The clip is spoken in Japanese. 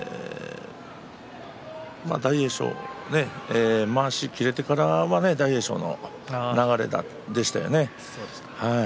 大栄翔は、まわしが切れてからが大栄翔の流れでしたね。